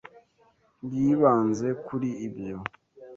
Yibanze kuri ibyo.